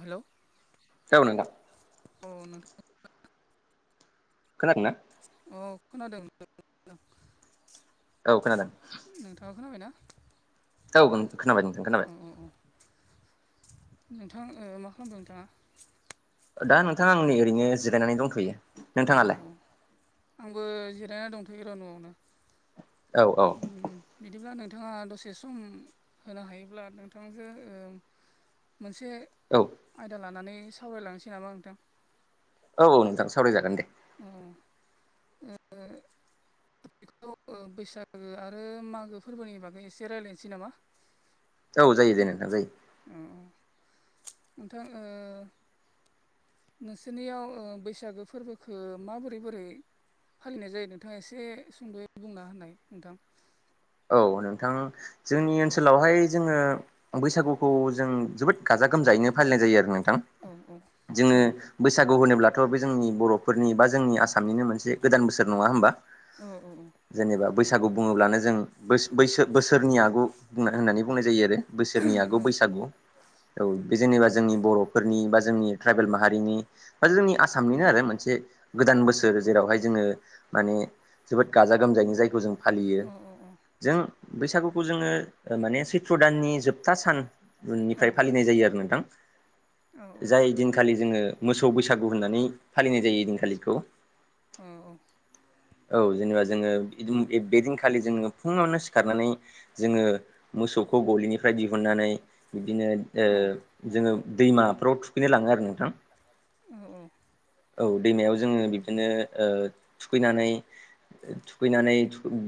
Hello औ नोंथां अ नों खोनादों ना औ खोनादों औ खोनादों नोंथाङा खोनाबायना औ ओ खोनाबाय खोनाबाय औ औ औ नोंथां ओ मा खालामदों नोंथाङा दा नोंथाङा आं नै ओरैनो जिरायनानै दंथ'यो औ नोंथाङालाय औ आंबो जिरायना दंथयो र नआवनो औ औ ओम बिदिब्ला नोंथाङा दसे सम होनो हायोब्ला नोंथांजो ओ मोनसे औ आयदा लानानै सावरायलांनोसै नामा नोंथां औ औ नोंथां सावरायजागोन दे अ ओ बेखौ बैसाग ओ‌ आरो मागो फोरबोनि बागै एसे रायज्लायनोसै नामा औ जायो जे नोंथां जायो अ अ नोंथां ओ नोंसोरनियाव ओ बैसागो फोरबोखौ माबोरै बोरै फालिनाय जायो नोंथाङा एसे सुंद'यै बुंना होननाय नोंथां औ नोंथां जोंनि ओनसोलावहाय जोङो बैसागुखौ जों जोबोद गाजा गोमजायैनो फालिनाय जायो आरो नोंथां उम जोङो औ बैसागु होनोब्लाथ' बे जोंनि बर'फोरनि बा जोंनि आसामनिनो मोनसे गोदान बोसोर नङा होमबा औ औ औ जेनेबा बैसागु बुङोब्लानो जों बैस बैसो बोसोरनि आगु होननानै बुंनाय जायो आरो बोसोरनि आगु बैसागु। औ बे जेनेबा जोंनि बर'फोरनि बा जोंनि ट्राइबेल माहारि रिनि बाजोंनि औ आसामनिनो जोंनि आरो मोनसे गोदान बोसोर जेरावहाय जोङो माने। जोबोद गाजा गोमजायैनो जायखौ जों फालियो जों बैसागुखौ जोङो माने सैथ्र' दाननि जोब था औ साननिफ्राय फालिनाय जायो आरो नोंथां जाय दिनखालि जोङो मोसौ बैसागु होननानै फालिनाय जायो दिनखालिखौ। औ जेनेबा जोङो इदिन बेदिनखालि जोङो। फुङावनो सिखारनानै जोङो मोसौखौ गलिनिफ्राय दिहुननानै। बिदिनो ओ सान औ फालिनाय जायो औ जोङो दैमाफ्राव थुखैनो लाङो आरो नोंथां। औ औ औ दैमायाव जोङो बिबदिनो ओ थुखैनानै थुखैनानै।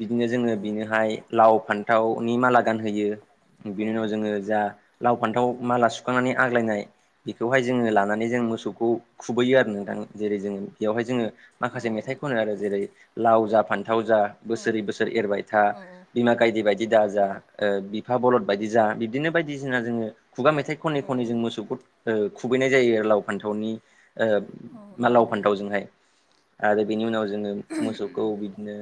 बिदिनो जोङो बिनोहाय लाव औ फान्थावनि माला गानहोयो बिनि औ उनाव औ जोङो जा लाव फान्थाव माला सुखांनानै आग्लायनाय बेखौहाय जोङो लानानै जों औ मोसौखौ खुबैयो आरो नोंथां जेरै जोङो बेयावहाय जोङो माखासे मेथाइ खनो आरो जेरै लाव जा फान्थाव जा बोसोरै बोसोर एरबाय था। बिमा गायदि बायदि दा जा औ ओ बिफा बलद बायदि जा बिब्दिनो बायदिसिना जोङो। खुगा मेथाइ खनै खनै औ औ जों मोसौखौत ओ खुबैनाय जायो आरो लाव फान्थावनि ओ औ मा नंगौ लाव दे औ फान्थावजोंहाय आरो बेनि उनाव जोङो मोसौखौ बिदिनो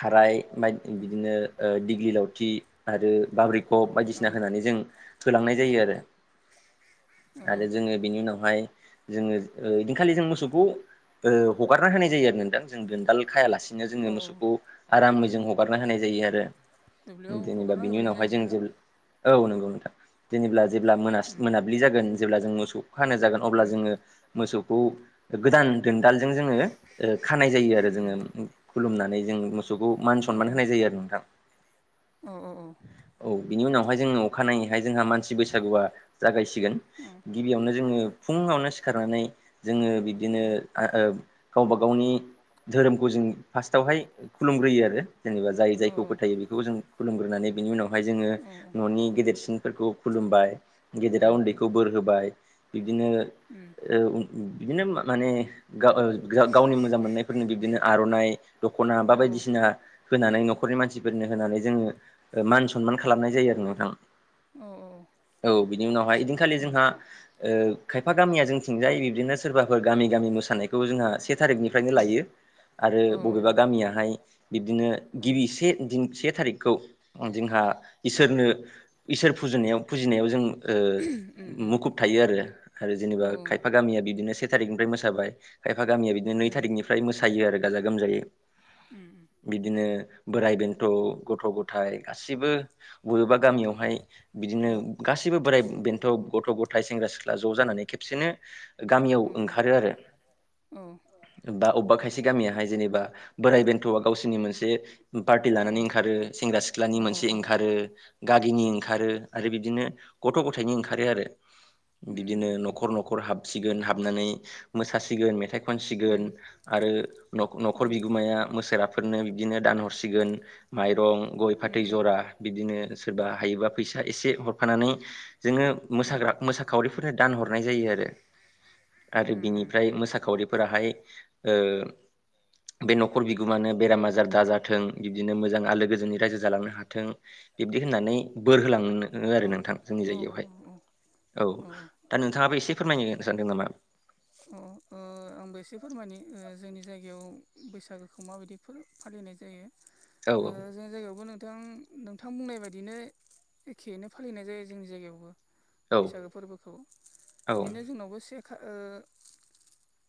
थाराय बायद बिदिनो ओ डिग्रि लावथि आरो बाब्रिखब औ बायदिसिना होनानै जों होलांनाय जायो आरो। औ आरो जोङो बेनि उनावहाय जोङो ओ इदिनोखालि जों मोसौ खौ ओ हगारना होनाय जायो आरो नोंथां जों दोनदाल खायालासिनो जोङो औ मोसौखौ। आरामै जों हगारना होनाय जायो आरो दुब्लियाव जेनेबा हगारना बिनि होबोनाय उनावहाय जों जायोना जे औ नंगौ नोंथां जेनेब्ला जेब्ला मोन उम मोनाब्लि जागोन जेब्ला जों मोसौ खानो जागोन अब्ला उम जोङो मोसौखौ गोदान दोनदालजों जोङो ओ खानाय जायो आरो उम जोङो खुलुमनानै जों मोसौखौ मान सनमान होनाय जायो आरो नोंथां। अ अ अ। औ बिनि उनावहाय जोंङो अखानायैहाय जोंहा मानसि बैसागुआ जागायसिगोन। गिबियावनो जोङो फुङावनो सिखारनानै जोङो बि बिदिनो आ ओ गावबा गावनि धोरोमखौ जों फार्स्टावहाय खुलुमग्रोयो आरो जेनेबा जाय औ जायखौ औ फोथायो बेखौ जों खुलुमग्रोनानै बिनि उनावहाय जोङो। औ न'नि गेदेरसिनफोरखौ खुलुमबाय गेदेरा उम उन्दैखौ बोर होबाय बिब्दिनो उम ओ उम बिदिनो मा माने गाओ गावनि मोजां मोननायफोरनि बिब्दिनो आर'नाइ दख'ना औ बा बायदिसिना। होनानै न'खरनि मानसिफोरनो होनानै जोङो ओ मान सनमान खालामनाय जायो आरो नोंथां। औ उम औ औ औ बिनि उनावहाय उम इदिनखालि उम औ उम औ जोंहा ओ खायफा गामिया जोंथिंजाय बिबदिनो सोरबा फोर गामि गामि मोसानायखौ जोंहा से थारिखनिफ्रायनो लायो आरो बबेबा गामियाहाय बिब्दिनो गिबि से दिन से थारिखखौ जोंहा औ इसोरनो इसोर फुजिनायाव फुजिनायाव जों ओ उम औ उम मुखुब थायो आरो आरो जेनेबा खायफा गामिया बिदिनो सेट- थारिखनिफ्राय मोसाबाय खायफा गामिया बिदिनो नै थारिखनिफ्राय मोसायो आरो गाजा गोमजायै उम उम। बिदिनो बोराइ बेन्थ' गथ' गथाइ गासिबो। बबेबा गामियावहाय बिदिनो गासैबो बोराइ बेन्थ' गथ' गथाय सेंग्रा सिख्ला ज' जानानै खेबसेनो गामियाव ओंखारो आरो - - बा अबेबा खायसे गामियाहाय जेनेबा बोराइ बेन्थ'आ गावसिनि मोनसे पार्टि लानानै ओंखारो सेंग्रा सिख्लानि मोनसे ओंखारो गागिनि ओंखारो आरो बिदिनो गथ' गथायाइनि ओंखारो आरो बिदिनो न'खर न'खर हाबसिगोन हाबनानै मोसासिगोन मेथाइ खनसिगोन आरो न'खर बिगोमाया मोसोराफोरनो बिदिनो दानहरसिगोन माइरं गय फाथै जरा बिदिनो सोरबा हायोबा फैसा एसे हरफानानै जोङो औ उम मोसाग्रा मोसाखावरिफोरनो दानहरनाय जायो आरो। आरो उम बिनिफ्राय मोसाखावरिफोराहाय ओह बे न'खर बिगोमानो बेराम आजार दाजाथों बिबदिनो मोजां आलो गोजोननि रायजो जालांनो हाथों। बिब्दि होननानै बोर होलांओ औ आरो नोंथां जोंनि जायगायावहाय औ दा नोंथाङाबो एसे फोरमायनो सानदों नामा? अ ओह आंबो एसे फोरमायनि ओह जोंनि जायगायाव बैसागोखौ माबायदि फो फालिनाय जायो औ ओह जोंनि जायगायावबो नोंथां नोंथां बुंनाय बायदिनो एखेयोनो फालिनाय जायो जोंनि जायगायावबो औ बैसागो फोरबोखौ औ बिदिनो जोंनावबो से खा ओह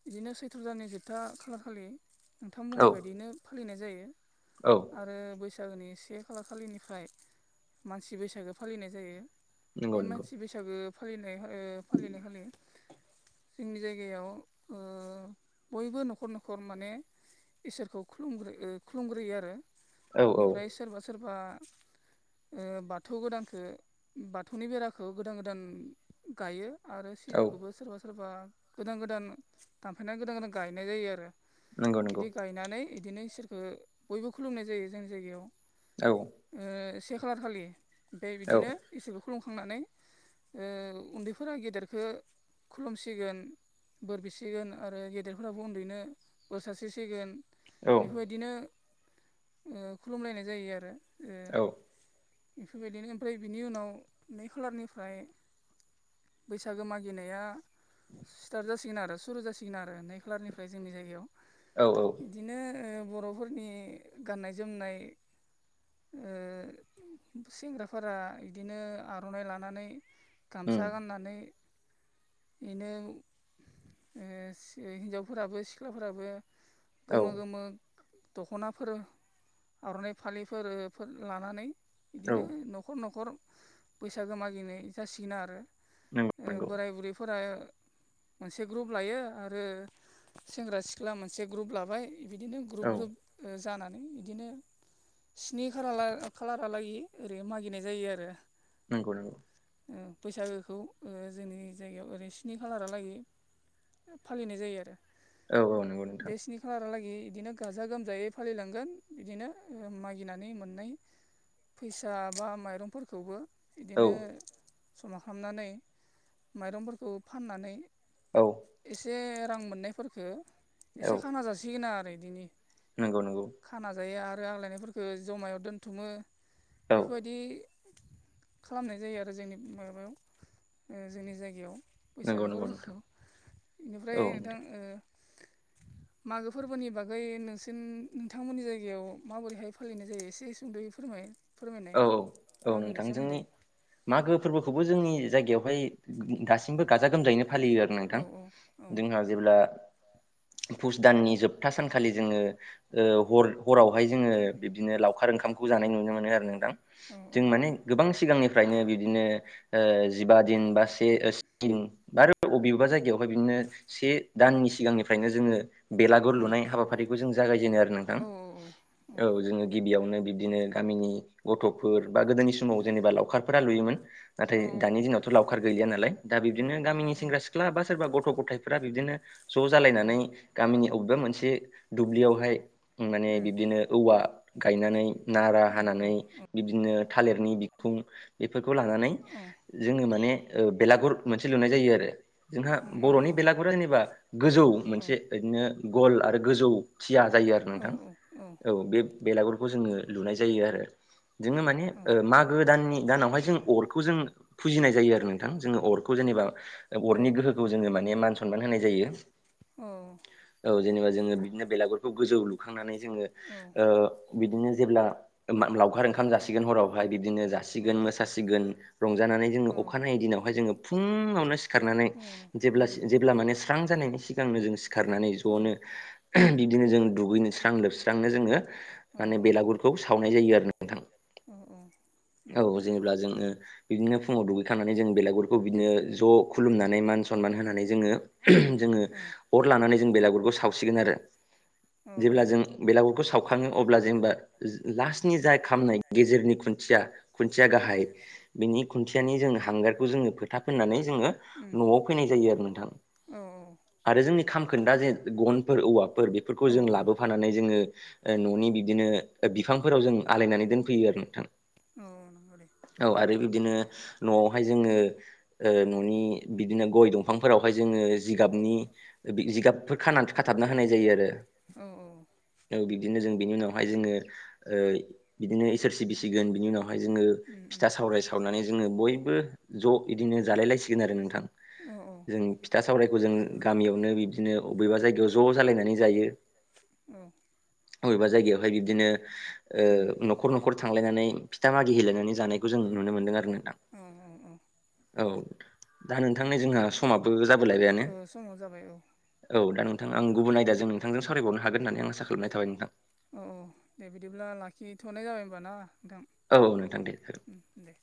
बिदिनो सैथ्र'दाननि जोबथा खालखालि नोंथां औ बुंनाय बायदियैनो फालिनाय जायो औ आरो बैसागोनि से खालार खालिनिफ्राय मानसि बैसागो फालिनाय जायो बे नंगौ नंगौ मानसि बैसागो फालिनाय ओह फालिनाय खालि जोंनि जायगायाव ओह बयबो न'खर न'खर माने इसोरखौ खलुम खुलुमग्रोयो आरो औ औ बेनिफ्राय सोरबा सोरबा ओह बाथौ गोदानखो बाथौनि बेराखौ गोदान गोदान गायो आरो औ सिजौखौबो सोरबा सोरबा गोदान गोदान दानफायना गोदान गोदान गायनाय जायो आरो नंगौ नंगौ बिदि गायनानै इदिनो इसोरखौ बयबो खुलुमनाय जायो जों जायगायाव औ ओह से खालार खालि ओमफ्राय औ बिदिनो इसोरखौ खुलुमखांनानै ओह उन्दैफोरा गेदेरखो खुलुमसिगोन बोर बिसि सिगोन आरो गेदेरफोराबो उन्दैनो बोसोर सार्सि सिगोन औ बेफोरबादिनो ओह खुलुमलायनाय जायो आरो ओह औ बेफोरबादिनो ओमफ्राय बिनि उनाव नै खालारनिफ्राय बैसागो मागिनाया स्टार्ट जासिगोन आरो सुरु जासिगोन आरो नै खालारनिफ्राय जोंनि जायगायाव औ औ बिदिनो बर'फोरनि गाननाय जोमनाय ओह सेंग्राफोरा इदिनो आर'नाइ लानानै उम गामसा गाननानै इनो ओह हिनजावफोराबो सिख्लाफोराबो औ गोमो गोमो दख'नाफोर आर'नाइ फालिफोरो लानानै औ बिदिनो न'खर न'खर बैसागो मागिनाय जासिगोन आरो नंगौ नंगौ बोराय बुरैफोरा मोनसे ग्रुप लायो आरो सेंग्रा सिख्ला मोनसे ग्रुप लाबाय बिदिनो ग्रुप औ ग्रुप जानानै इदिनो स्नि खाला खालारहालागै ओरै मागिनाय जायो आरो नंगौ नंगौ बैसागोखौ जोंनि जायगायाव ओरै स्नि खालारा लागै फालिनाय जायो आरो औ - औ नंगौ नोंथां। खालारालागै बिदिनो गाजा-गोमजायै फालिलांगोन बिदिनो मागिनानै मोननाय, फैसा बा, माइरंफोरखौबो औ बिदिनो समा खालामनानै माइरंफोरखौ फाननानै, औ एसे रां मोननायफोरखो, एसे खाना जासिगोना आरो एदिनो नंगौ-नंगौ। खाना जायो। आरो आग्लायनायफोरखो जमायाव दोनथुमो। औ बेफोरबायदि, खालामनाय जायो। आरो जोंनि माबायाव ओ जोंनि जायगायाव नंगौ बैसागो नंगौ फोरबोखौ। नोंथां बेनिफ्राय नोंथां ओ मागो फोरबोनि बागै नोंसि नोंथांमोननि जायगायाव माबोरैहाय फालिनाय जायो? एसे सुंदै फोराय - फोरमायनाय औ औ नोंथां मागोनि जोंनि सोमोन्दै। मागो फोरबोखौबो जोंनि जायगायावहाय, दासिमबो गाजा-गोमजायैनो फालियो आरो औ नोंथां। औ औ जोंहा जेब्ला, फुस दाननि जोबथा सानखालि जोङो ओ हर हरावहाय जोङो बिबदिनो लावखार ओंखामखौ जानाय नुनो मोनो। आरो नों- औ जों औ माने गोबां सिगांनिफ्रायनो बिदिनो, ओ जिबा दिन बा से बा आरो बबेेबा जायगायावहाय बिदिनो, से दाननि सिगांनिफ्रायनो जोङो, बेलागुर उम लुनाय हाबाफारिखौ जों जागायजेनो आरो नोंथां। औ औ जोङो गिबियावनो बिब्दिनो गामिनि गथ'फोर बा गोदोनि समाव जेनेबा लावखार -फोर लुयोमोन। नाथाय औ दानि दिनावथ' लावखार गैलिया नालाय दा औ बिबदिनो लावखार गैला गामिनि औ सेंग्रा-सिख्ला, सिख्ला बा, सोरबा गथ' गथायफोरा बिदिनो ज' जालायनानै, उम गामिनि अबेबा मोनसे दुब्लियावहाय, ओम माने उम बिबदिनो औवा गायनानै, नारा औ हानानै, बिदिनो थालिरनि बिखुं एफोरखौ लानानै, औ जोङो माने ओ बेलागुर मोनसे लुनाय जायो। आरो जोंहा उम औ बर'नि औ बेलागुरा जेनेबा, गोजौ औ मोनसे ओदिनो गल आरो गोजौ, थिया जायो आरो औ नोंथां। औ बे बेलागुरखौ जोङो लुनाय जायो आरो। जोङो माने मा' गो दाननि दानावहाय जों अरखौ जों फुजिनाय जायो आरो। नोंथां जोङो अरखौ जेनेबा, ओ अरनि गोहोखौ जोङो माने, मान - सनमान होनाय जायो। औ, औ जेनेबा जोङो बिदिनो बेलागुरखौ गोजौ लुखांनानै जोङोओ औ बिदिनो जेब्ला लावखार ओंखाम जासिगोन हरावहाय बिदिनो जा- अ -सिगोन, मोसिगोन रंजानानै जोङो अखानायै दिनावहाय जोङो फुङावनो, सिखारनानै अ उम जेब्ला-जेब्ला माने स्रां जानायनि सिगांनो जों सिखारनानै अ ज'नो बिबदिनो जों दुगैनोस्रां लोबस्रांनो जोङो, अ माने बेलागुरखौ सावनाय जायो आरो। नोंथां अ, औ औ जेनेबा जोङो बिदिनो फुङाव दुगैखांनानै जों बेलागुरखौ, बिदिनो ज' खुलुमनानै मान सनमान होनानै जोङो, जोङो अर लानानै जों बेलागुरखौ सावसिगोन आरो। जेब्ला जों बेलागुरखौ सावखाङो अब्ला जेनेबा, लास्टनि जाय खामनाय गेजेरनि खुन- खुन्थिया-खुन्थिया गाहाय बिनि खुन्थियानि जों हांगारखौ जोङो फोथा फुनानै जोङो, न'आव फैनाय जायो आरो नोंथां। आरो जोंनि खामखोन्दा जे गनफोर, औवाफोर बेफोरखौ औ जों लाबोफा- फानानै जोङो ओ न'नि बिदिनो बिफांफोराव जों आलायनानै दोनफैयो आरो नोंथां। औ नंगौ दे। औ उम आरो बिबदिनो न'आवहाय जोङो, ओ न'नि बिदिनो गय दंफांफोरावहाय जोङो, जिगाबनि-जिगाबफोर खानानै खाथाबना होनाय जायो आरो। औ औ बिबदिनो जों बिनि उनावहाय जोङो बिदिनो इसोर सि बिसिगोन बिनि उनाव बेहाय जोङो उम उम फिथा सावराय सावनानै जोङो बयबो ज' बिदिनो जालाय लायसिगोन आरो नोंथां। अ, अ जों फिथा सावरायखौ जों गामियावनो बिबदिनो बबेबा जायगायाव ज' जालायनानै जायो। औ अबेबा जायगायावहाय बिब्दिनो न'खर न'खर थांलायनानै फिथा मागि हेलायनानै जानायखौ जों नुनो मोनदों आरो न दा औ औ औ दा नोंथांनि जोंहा समाबो जाबलायबायानो ओ समाव जाबाय औ औ दा नोंथां आं गुबुन आयदाजों नोंथांजों सावरायबावनो हागोन होननानै आसा खालामनाय थाबाय नोंथां। औ औ दे बिदिब्ला लाखिथ'नाय जाबाय होनबा ना नोंथां। औ नोंथां दे दे